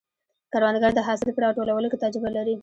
کروندګر د حاصل په راټولولو کې تجربه لري